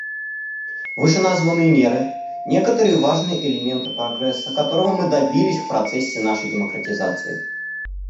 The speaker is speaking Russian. Вышеназванные меры — некоторые важные элементы прогресса, которого мы добились в процессе нашей демократизации.